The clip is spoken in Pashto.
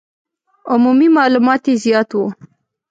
عمومي معلومات یې زیات وو.